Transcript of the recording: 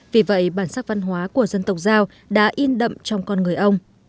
vì vậy bản sắc văn hóa của dân tộc giao đã in đậm trong con người ông